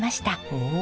おお。